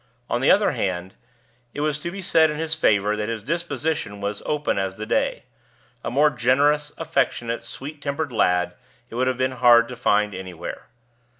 On the other hand, it was to be said in his favor that his disposition was open as the day; a more generous, affectionate, sweet tempered lad it would have been hard to find anywhere.